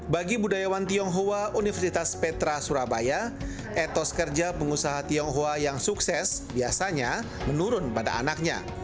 bagi budayawan tionghoa universitas petra surabaya etos kerja pengusaha tionghoa yang sukses biasanya menurun pada anaknya